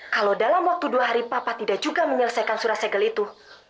kalau dalam waktu dua hari papa tidak juga menyelesaikan surat segel itu